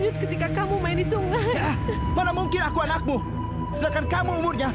sampai jumpa di video selanjutnya